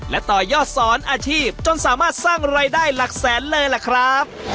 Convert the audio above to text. และต่อยอดสอนอาชีพจนสามารถสร้างรายได้หลักแสนเลยล่ะครับ